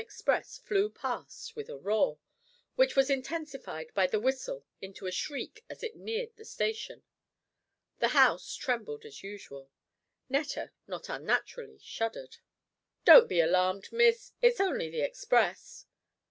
express flew past with a roar, which was intensified by the whistle into a shriek as it neared the station. The house trembled as usual. Netta, not unnaturally, shuddered. "Don't be alarmed, Miss, it's only the express."